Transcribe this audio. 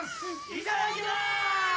いただきまーす！